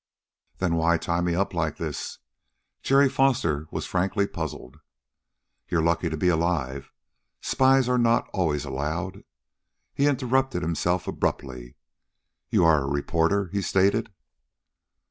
"Then why tie me up like this?" Jerry Foster was frankly puzzled. "You are lucky to be alive. Spies are not always allowed " He interrupted himself abruptly. "You are a reporter," he stated.